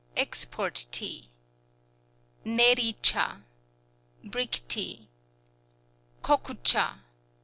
. Export Tea Neri châ ... Brick Tea Koku châ